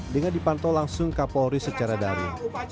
dengan dipantau langsung kapolri secara daring